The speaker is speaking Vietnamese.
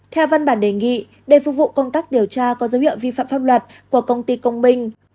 theo văn bản đề nghị để phục vụ công tác điều tra có dấu hiệu vi phạm pháp luật của công ty công minh